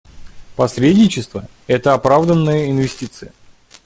Посредничество — это оправданная инвестиция.